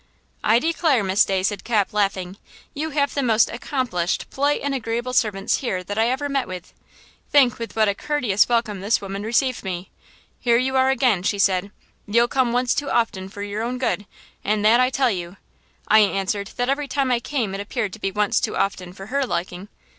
"I declare, Miss Day," said Cap, laughing, "you have the most accomplished, polite and agreeable servants here that I ever met with! Think with what a courteous welcome this woman received me–'Here you are again!' she said. 'You'll come once too often for your own good, and that I tell you.' I answered that every time I came it appeared to be once too often for her liking.